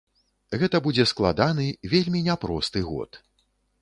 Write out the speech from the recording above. Гэта будзе складаны, вельмі няпросты год.